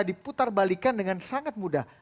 diputarbalikan dengan sangat mudah